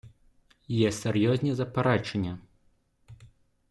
Є серйозні заперечення.